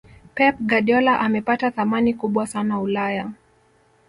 pep guardiola amepata thamani kubwa sana ulaya